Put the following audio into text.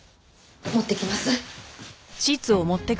持ってきます。